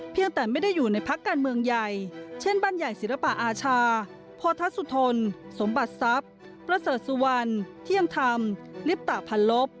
แต่ไม่ได้อยู่ในพักการเมืองใหญ่เช่นบ้านใหญ่ศิลปะอาชาโพธสุทนสมบัติทรัพย์ประเสริฐสุวรรณเที่ยงธรรมลิปตะพันลบ